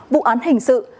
vụ án hình sự